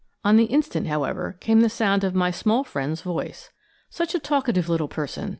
On the instant, however, came the sound of my small friend's voice. Such a talkative little person!